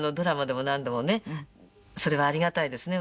それはありがたいですね